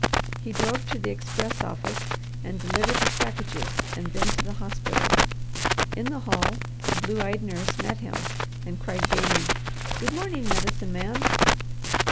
He drove to the express office and delivered his packages and then to the hospital. In the hall the blue eyed nurse met him and cried gaily, "Good morning, Medicine Man!"